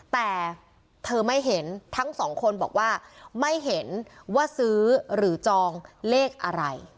แต่เธอไม่เห็นทั้งสองคนบอกว่าไม่เห็นว่าซื้อหรือจองเลขอะไร